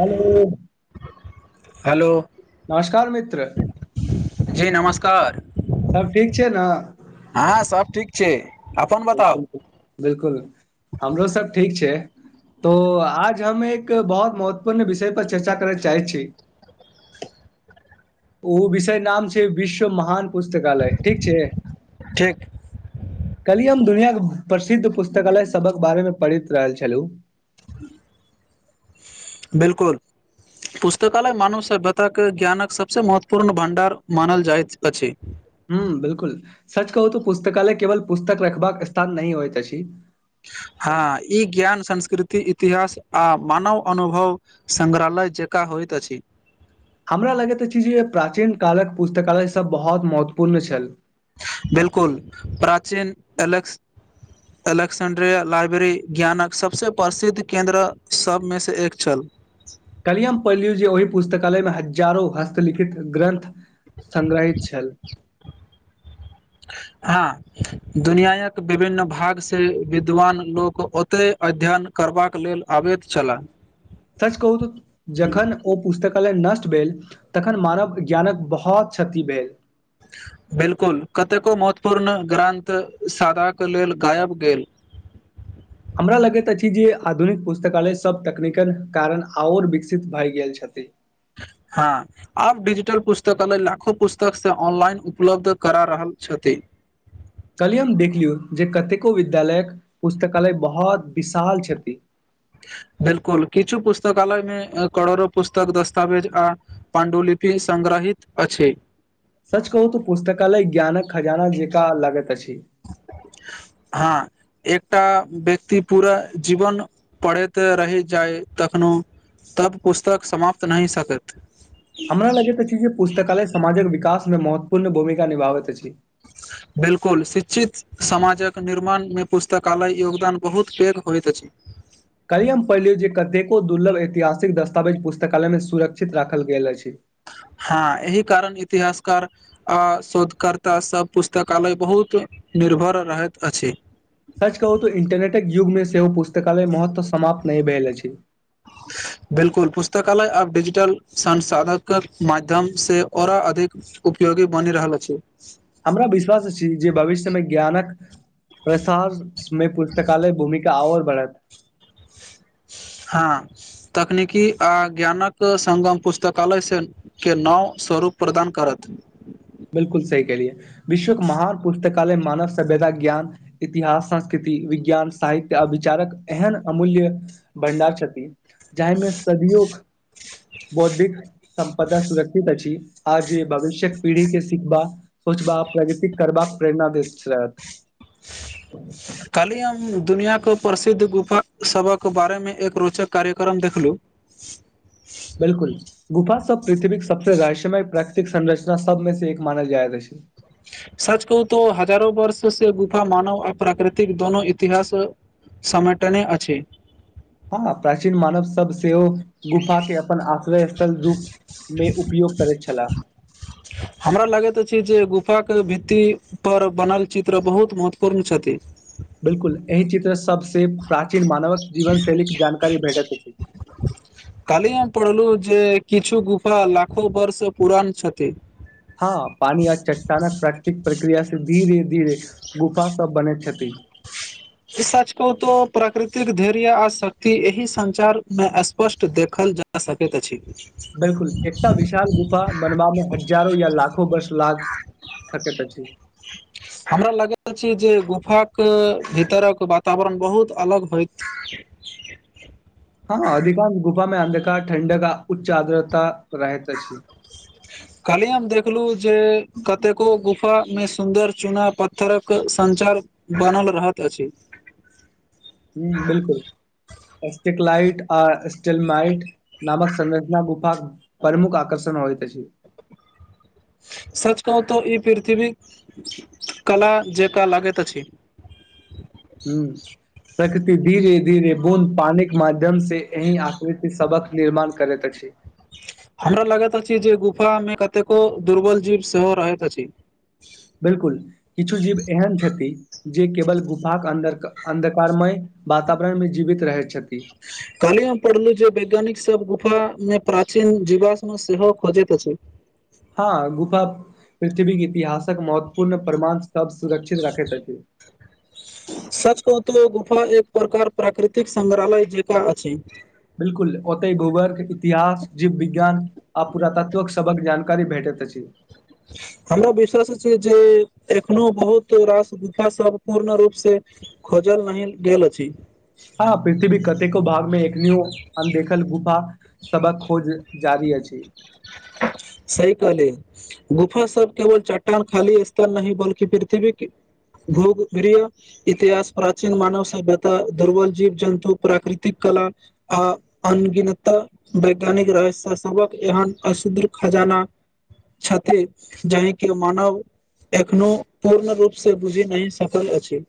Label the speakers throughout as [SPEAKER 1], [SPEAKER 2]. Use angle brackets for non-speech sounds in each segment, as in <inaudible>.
[SPEAKER 1] Hello
[SPEAKER 2] hello
[SPEAKER 1] नमस्कार मित्र
[SPEAKER 2] जी नमस्कार
[SPEAKER 1] सब ठीक छै ने
[SPEAKER 2] हँ सब ठीक छै अपन बताउ
[SPEAKER 1] बिलकुल हमरो सब ठीक छै तो आज हम एक बहुत महत्वपूर्ण विषय पर चर्चा करय चाहै छी हँ ओ विषय नाम छै विश्व महान पुस्तकालय ठीक छै
[SPEAKER 2] ठीक
[SPEAKER 1] कलिय हम दुनिया के प्रसिद्ध पुस्तकालय सबक बारे में पढ़ि रहल छलहु
[SPEAKER 2] बिलकुल पुस्तकालय मानव सभ्यतााक के ज्ञानक सबसे महत्वपूर्ण भंडार मानल जाइत अछि
[SPEAKER 1] ह बिलकुल सच कहू त पुस्तकालय केवल पुस्तक रखबाक स्थान नह होइ त हँ
[SPEAKER 2] हँ इ ज्ञान संस्कृति इतिहास आ मानव अनुभव संगग्रहालय जका हो होइत छि
[SPEAKER 1] हमरा लगैत अछि जे प्राचीन कालक पुस्तकालय सब बहुत महत्वपूर्ण छल
[SPEAKER 2] बिलकुल प्राचीन अलेक्स एलेक्सेंड्रिया लाइब्रेरी ज्ञानक सभसँ प्रसिद्ध केन्द्र सभमेसँ एक छल
[SPEAKER 1] कलियम पलूजी ओहि पुस्तकालयमे हजारो हस्तलिखित ग्रन्थ संग्रहित छल
[SPEAKER 2] हँ दुनियाक विभिन्न भाग से विद्वान लोक ओतहि अध्ययन करबाक लेल आ बैत छलला
[SPEAKER 1] सच कहू त जखन ओ पुस्तक नष्ट भेल तखन मानव ज्ञानक बहुत क्षति भेल
[SPEAKER 2] बिलकुल कतेको महत्वपूर्ण ग्रन्थ सादाक लेल गायब गेल
[SPEAKER 1] <unintelligible> हमरा लगैत अछि जे आधुनिक पुस्तकालय सभ तकनीकल कारण आओर विकसित भए गेल छथि <unintelligible>
[SPEAKER 2] हँ आब डिजिटल पुस्तकालय लाखो पुस्तक से ऑनलाइन उपलब्ध करा रहल छथिन
[SPEAKER 1] <unintelligible> कहलियए हम देख लियौ जे कतेको विद्यालयक पुस्तकालय बहुत विशाल छथि्षन <unintelligible>
[SPEAKER 2] बिलकुल किछु पुस्तकालयमे कोड़ो पुस्तक दस्तावेज आ पण्डुलिपि संग रहहित अछि
[SPEAKER 1] सच कहू तऽ पुस्तकालय ज्ञानक खजाना जेकाँ लागैत <unintelligible>
[SPEAKER 2] हँ एकटा व्यक्ति पूरा जीवन पढ़ैत रहि जाय तखनो तब पुस्तक समाप्त नहि सकैत
[SPEAKER 1] हमरा लगैत अछि जे पुस्तकालय समाजक विकास मे महत्वपूर्ण भूमिका निभाबैत अछि
[SPEAKER 2] बिलकुल शिक्षित समाजक निर्माणमे पुस्तकालय योगदान बहुत पैघ होइत अछि
[SPEAKER 1] काल्हि हम पढ़लियौ जे कतेको दुर्लभ ऐतिहासिक दस्तावेज पुस्तकालयमे सुरक्षित राखल गेल अछि <unintelligible>
[SPEAKER 2] हँ एहि कारण इतिहासकार अ शोधकर्ता सब पुस्तकालय बहुत निर्भर रहैत अछि
[SPEAKER 1] सच कहू तऽ इंटरनेटक युगमे सेहो पुस्तकालय महत्व समाप्त नहि भेल अछि
[SPEAKER 2] बिलकुल पुस्तकालय आब डिजिटल संसाधनक माध्यम उपयोगी बनि रहल अछि
[SPEAKER 1] हमरा विश्वास छी जे भविष्यमे ज्ञानक प्रसारमे पुस्तकालय भूमिका ओर बढ़त
[SPEAKER 2] हँ तकनीकी आ ज्ञानक संग्गम पुस्तकालय से के नव सरू रूप प्रदान करत
[SPEAKER 1] बिलकुल सही कहलियै विश्वके महान पुस्तक काले मानव सभ्यता ज्ञान इतिहास संस्कृति विज्ञान साहित्य आ विचारक एहन अमूल्य भंडार छथि जाहिमे सदियो बौद्धिक सम्पदा सुरक्षित अछि आ जे भविष्यक पीढ़ी के सिखबा सोचबा प्रगृति करबाक प्रेरणा दैत छलैत
[SPEAKER 2] दुनिआके प्रसिद्ध गुफा सबक बारेमे एक रोचक कार्यक्रम देखलू
[SPEAKER 1] बिलकुल गुफा सब पृथ्वी सबसँ रहस्यमय प्राकृतिक संरचना सबमे से एक मानल जाय रहै
[SPEAKER 2] सच कहू तो हजारो वर्ष से गुफा मानव आ प्राकृतिक दोनो इतिहास सम्मेटने अछि
[SPEAKER 1] हँ प्राचीन मानव सब सेहो गुफा के अपन आश्रय स्थल रूप मे उपयोग करैत छलाह
[SPEAKER 2] हमरा लागैत अछि जे गुफा के भित्ती पर बनल चित्र बहुत महत्वपूर्ण छथि
[SPEAKER 1] से प्राचीन मानवक जीवन शैली जानकारी भेटत
[SPEAKER 2] काली हम पढ़लु जे किछु गुफा लाखो बर्ष पुरान छथि
[SPEAKER 1] हँ पानी आ चट्टानक प्राकृतिक प्रक्रिया सँ धीरे धीरे गुफा सब बनैत छथिन
[SPEAKER 2] सच कहू तो प्राकृतिक धैर्य आ शक्ति एहि संचार मे स्पष्ट देखल जा सकैत अछि
[SPEAKER 1] बिलकुल एकटा विशाल गुफा बनबामे हजारो या लाखो बर्ष लाख सकैत अछि
[SPEAKER 2] हमरा लागैत अछि जे के भीतरक वातावरण बहुत अलग होयइत
[SPEAKER 1] हँ अधिकांश गुफामे अन्धकार ठण्डका उच्च आदरता
[SPEAKER 2] काल्हि हम देखलहु जे कतेको गुफामे सुन्दर चूना पत्थरक सञ्चार बनल रहैत अछि
[SPEAKER 1] ह बिलकुल एस्टिक लाइट आ स्टिल माइट नामक संरचना गुफा प्रमुख आकर्षण होइ त अछि
[SPEAKER 2] सच कहू तऽ ई पृथ्वी कला जेका लागैत अछि
[SPEAKER 1] ह प्रकृति धीरे धीरे बूंद पानी के माध्यम माध्यम से रही आकृति सबक निर्माण करैत अछि
[SPEAKER 2] हमरा लगैत अछि जे गुफामे कतेको दुर्बल जीव सेहो रहैत अछि
[SPEAKER 1] बिलकुल किछु जीव एहन छथि जे केवल गुफाक के अ अन्धकारमय वातावरण मे जीवित रहैत छथि
[SPEAKER 2] काली हम पढ़लु जे वैज्ञानिक सब गुफा मे प्राचीन जीवाश मे सेहो खोजैत अछि
[SPEAKER 1] हँ गुफा पृथ्वी के इतिहास महत्वपूर्ण प्रमाण सब सुरक्षित रखैत अछि
[SPEAKER 2] सच कहु तऽ गुफा एक प्रकार प्राकृतिक संग्रहालय जेका अछि
[SPEAKER 1] बिलकुल ओत गोवग इतिहास जीव विज्ञान पुरात्वक सबक जानकारी भेटैत अछि
[SPEAKER 2] हमरा विश्वास छी जे एखनो बहुत रास गुफा सब पूर्ण रूप से जल नहि गेल
[SPEAKER 1] हँ पृथ्वी कतेको भागमे एखनियो अनदेखल गुफा सबहक खोज जारी अछि
[SPEAKER 2] सही कहली गुफा सब केवल चट्टान खाली स्तर नहि बल्कि पृथ्वी भोग व इतिहास प्राचीन मानव सभ्यता दुर्बल जीव जन्तु प्राकृतिक कला आ अनगिनत वैज्ञानिक रहस्य सबक एहन असद खजाना छथि जाहिके मानव एखनो पूर्ण रूप से बुझि नहि सकल अछि।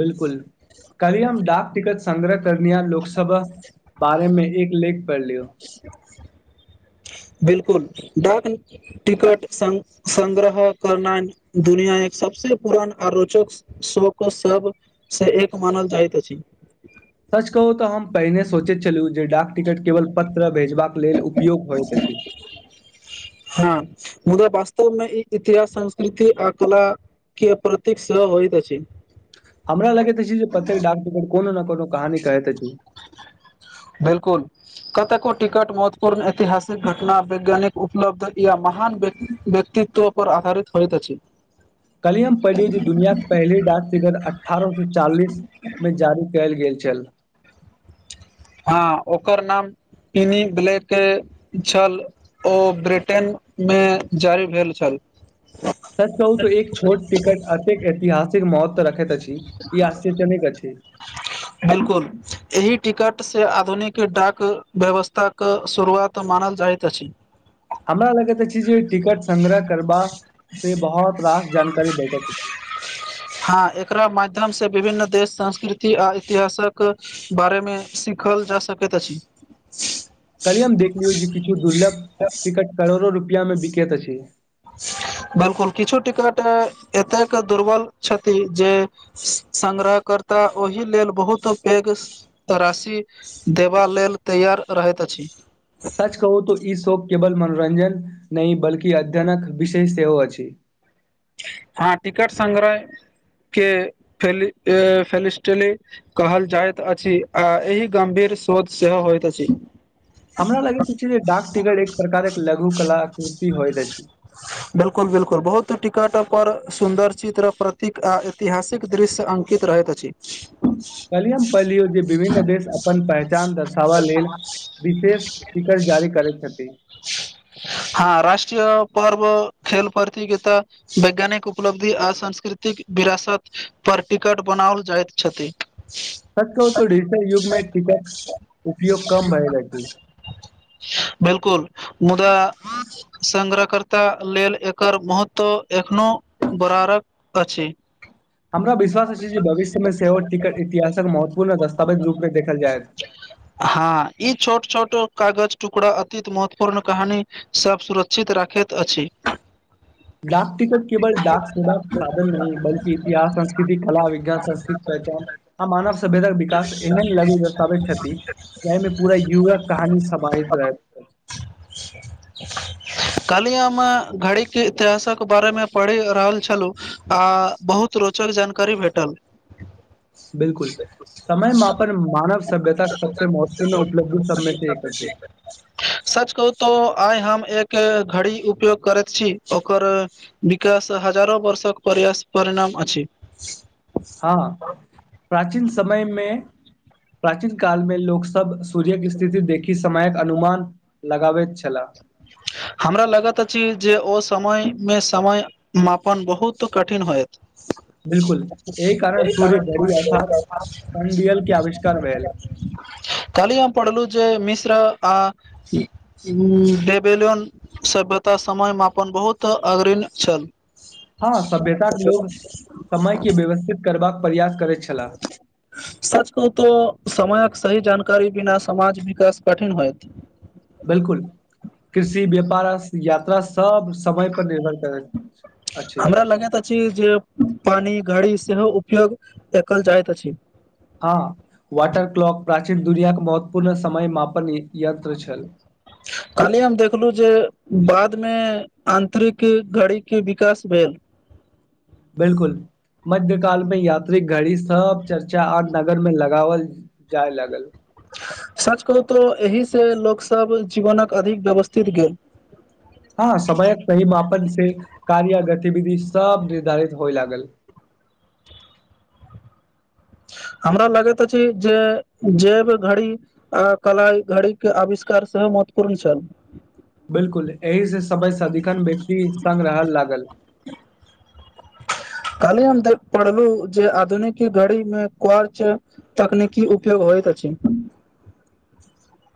[SPEAKER 1] बिलकुल करियियम डाक टिकट संग्रह करिया लोकसभा बारेमे एक लेख पढ़ लियौ
[SPEAKER 2] <unintelligible> बिलकुल डाक टिकट संग्रह करना दुनिया एक सभसँ पुरान आ रोचक शोक सभसँ एक मानल जाइत अछि।
[SPEAKER 1] सच कहू तऽ हम पहिने सोचैत छलहुँ जे डाक टिकट केवल पत्र भेजबाक लेल उपयोग होइत अछि।
[SPEAKER 2] हँ मुदा वास्तवमे ई इतिहास संस्कृति आ कला के प्रतीक सेहो होइत अछि।
[SPEAKER 1] हमरा लगैत जे प्रत्येक डाकटिकट कोनो ने कोनो कहानी कहैत अछि।
[SPEAKER 2] बिलकुल कतेको टिकट महत्वपूर्ण ऐतिहासिक घटना वैज्ञानिक उपलब्ध या महान व्यक्तित्व ओपर आधारित होइत अछि।
[SPEAKER 1] कलियम पहिलिय जे दुनिया के पहली डाक फिगर अठारह सो चालीस मे जारी कयल गेल उ चल
[SPEAKER 2] हँ ओकर नाम पिनी बलेके छल ओ ब्रिटेनमे जारी भेल छल।
[SPEAKER 1] सच कहू तऽ एक छोट टिकट अतेक ऐतिहासिक महत्व रखैत अछि ई आश्चर्यनेक अछि
[SPEAKER 2] बिलकुल एहि टिकट से आधुनिक डाक व्यवस्था को शुरुआत मान मनाल जाइत अछि
[SPEAKER 1] हमरा लगैत अछि जे टिकट संग्रह करबा से बहुत रास जानकारी भेटत
[SPEAKER 2] माध्यमसँ विभिन्न देश संस्कृति आ इतिहासक बारेमे सीखल जा सकैत अछि <unintelligible> <inaudible>
[SPEAKER 1] कलि हम देखलियौ जे किछु दुर्लभ टिकट करोड़ो रुपआ मे बिकेत अछि
[SPEAKER 2] बलकुल किछु टिकट एतेक दुर्बल छथि जे संग्रह करता ओहि लेल बहुत पैघ तराशि देबा लेल तैयार रहैत अछि
[SPEAKER 1] सच कहू त ई शोक केबल मन मनोरञ्जन नहि बल्कि अध्ययनक विशेष सेहो अछि।
[SPEAKER 2] हँ टिकट सग्रह केफेली फेलिस्टल कहल जाइत अछि आ एहि गम्भीर शोध सेहो होइत अछि
[SPEAKER 1] हमरा लगैत अछि जे डाक टिकट एक प्रकारक लघु कला कुर्ति होइत अछी
[SPEAKER 2] बिल्कुल बिल्कल बहुत टिक कट पर सुन्दर चित्र प्रतीक आ ऐतिहासिक दृश्य अङ्कित रहैत अछि
[SPEAKER 1] कलियम पलियो जे विभिन्न देश अपन पहचान दर्शाबऽ लेल विशेष शिकर जारी करै छथि
[SPEAKER 2] हँ राष्ट्रीय पर्व खेल प्रतिगिता वैज्ञानिक उपलब्धि आ सांस्कृतिक विरासतपर टिकट बनाओल जाइत छथि
[SPEAKER 1] सच कहू त डिजिटल युग मे टीकट उपयोग कम भए रह छै
[SPEAKER 2] बिलकुल मुदा सग्रहकर्ता लेल एकर महत तऽ एखनो बरारक अछि
[SPEAKER 1] हमरा विश्वास अछि जे भविष्यमे सेहो टिकट इतिहासक महत्वपूर्ण दस्तावेज रूपमे देखल जायत ह <unintelligible>
[SPEAKER 2] हँ ई छोट छो कागज टुकड़ा अतीत महत्वपूर्ण कहानीसब सुरक्षित राखेत अछि
[SPEAKER 1] डाक टिकट केवल डाक सुधा साधन नहि बल्कि इतिहास संस्कृति कला विज्ञान संस्कृति आ मानव सभ्यताक विकास एहन लघु बताबैत छथि जाहिमे पूरा युवा कहानी समाहित रहैत अछि
[SPEAKER 2] कालियामे घड़ी के इतिहासक बारेमे पढ़ि रहल छलु आ बहुत रोचक जानकारी भेटल
[SPEAKER 1] बिलकुल समय मापन मानव सभ्यताक सबसँ महत्वपूर्ण उपलब्धि सबमे से एक आछि
[SPEAKER 2] सच कहू तऽ आइ हम एक घड़ी उपयोग करैत छी ओकर विकाश हजारो वर्षक परयास परिणाम अछि
[SPEAKER 1] हँ प्राचीन समयमे प्राचीन कालमे लोक सब सूर्यक स्थिति देखि समयक अनुमान लगाबैत छला
[SPEAKER 2] ह <inaudible> हमरा लगत अछि जे ओ समय मे समय मापन बहुत कठिन होयत
[SPEAKER 1] ह <inaudible>
[SPEAKER 2] कह
[SPEAKER 1] अर्थात सनडियल के आविष्कार भेल
[SPEAKER 2] काली आम पढ़लू जे मिस <unintelligible> वेलियन सभ्यता समयमे अपन बहुत अग्रिण छल
[SPEAKER 1] हँ सभ्यता के लोग समय के व्यवस्थित करबाक प्रयास करैत छलाह
[SPEAKER 2] सच कहू तऽ समय सही जानकारी बिना समाज विकास कठिन होयत
[SPEAKER 1] बिलकुल कृषि व्यापार यात्रा स अछि
[SPEAKER 2] हमरा लगैत अछी जे पानी घड़ी सेहो उपयोग एकल जाइत अछि
[SPEAKER 1] हँ वाटर क्लॉक प्राचीन दुनियाक महत्वपूर्ण समय मापन यन्त्र छल
[SPEAKER 2] कहलियी हम देखलु जे बाद मे आंतरिक घड़ी के विकास भेल
[SPEAKER 1] बिलकुल मध्य काल में यात्री घड़ी सब चर्चा आ नगर में लगाावल जाय लागल ह
[SPEAKER 2] साँच कहु तऽ एहिसँ लोकसभ जीवनक अधिक व्यवस्थित गेल
[SPEAKER 1] हँ समयक सहि माापन से कार्य गतिविधि सब निर्धारित होइ लागल <unintelligible> <unintelligible>
[SPEAKER 2] हमरा लगैत अछि जे जे भी घड़ी कला घड़ी के आविष्कार सेहो कर च <unintelligible>
[SPEAKER 1] बिलकुल एहि से सबय सदिखन व्यक्ति संग रह लागल <unintelligible>
[SPEAKER 2] कहली हम देख पढ़लु जे आधुनिक घड़ी मे कच तकनीकी उपयोग होयइत इत अछि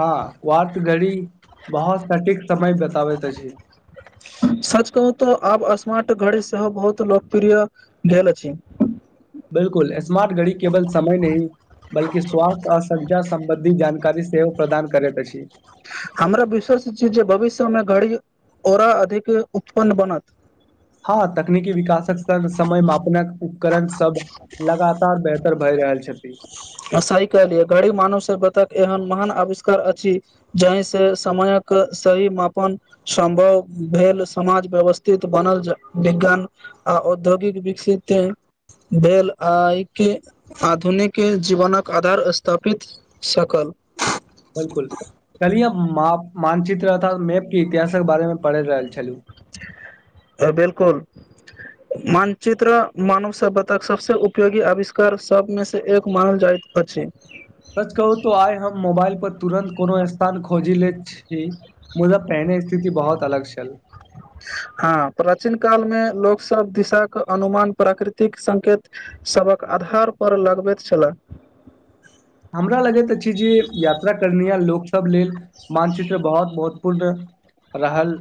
[SPEAKER 1] हँ वारथ घड़ी बहुत सटीक समय बताबैत अछि
[SPEAKER 2] सच कहू तऽ आब स्मार्ट घड़ी सेहो बहुत लोकप्रिय भेल अछि
[SPEAKER 1] बिलकुल स्मार्ट घड़ी केवल समय नहि बल्कि स्वासथ्य आ संचार सं्बन्धी जानकारी सेहो प्रदान करैत अछि
[SPEAKER 2] हमरा विश्वास छी जे भविष्य मे घड़ी ओरा अधिक उत्पन्न बनत
[SPEAKER 1] हँ तकनीकी उकरण सब लगातार बेहतर भए रहल छथि
[SPEAKER 2] साइकल य घड़ी मानव सभ बतक एहन महान आविष्कार अछि जाहि से समयक सही मापन सम्भव भेल समाज व्यवस्थित बनल विज्ञान आ औद्योगिक विकसित भेल आके आधुनिक के जीवनक आधार स्थापित सकल
[SPEAKER 1] बिलकुल कहलिय मानचित रहथ मैपके इतिहासक बारेमे पढ़ि रहल छलू
[SPEAKER 2] अ बिलकुल मानचित्र मानव सभ्यतााक सबसँ उपयोगी आविष्कार सबमे से एक मानल जाइत छै अछी
[SPEAKER 1] सच कहू तो आइ हम मोबाइल पर तुरन्त कोनो स्थान खोजी ले छी मुदा पहिने स्थिति बहुत अलग छल
[SPEAKER 2] हँ प्राचीन कालमे लोक सब दिशाे अनुमान प्राकृतिक संकेत सभक आधारपर लगबैत छललाह
[SPEAKER 1] <unintelligible> हमरा लगैत अछि जे यात्रा करनेय लोकसभ लेल मानचित्र बहुत महत्वपूर्ण रहल